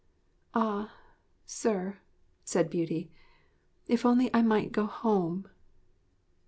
'Ah, sir,' said Beauty, 'if only I might go home!'